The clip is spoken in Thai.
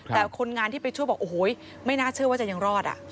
แต่คนงานที่ไปช่วยบอกโอ้โหไม่น่าเชื่อว่าจะยังรอด